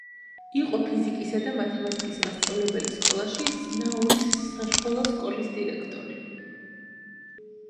იყო ფიზიკისა და მათემატიკის მასწავლებელი სკოლაში, ზნაურის საშუალო სკოლის დირექტორი.